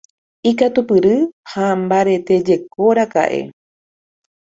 Ikatupyry ha mbaretéjekoraka'e.